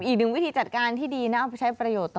อีกหนึ่งวิธีจัดการที่ดีนะเอาไปใช้ประโยชน์ต่อ